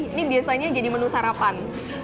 ini biasanya jadi menu sarapan